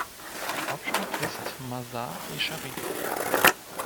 Hauptstadt ist Masar-e Scharif.